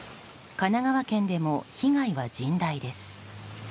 神奈川県でも被害は甚大です。